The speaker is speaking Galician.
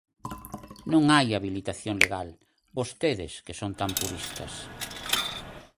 Non hai habilitación legal; vostedes que son tan puristas.